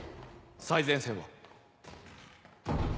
最前線は？